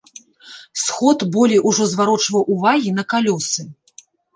Сход болей ужо зварочваў ўвагі на калёсы.